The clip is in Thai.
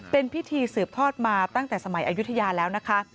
เป็นพิธีสืบทอดมาตั้งแต่สมัยอายุทยาแล้วนะคะ